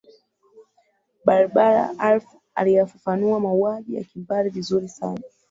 barbara harff aliyafafanua mauaji ya kimbari vizuri sana